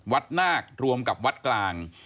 วัดนากรวมกับวัดกลาง